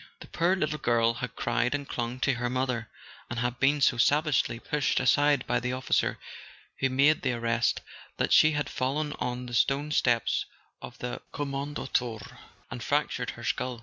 The poor little girl had cried and clung to her mother, and had been so savagely pushed aside by the officer who made the arrest that she had fallen on the stone steps of the " Kommandantur " and fractured her skull.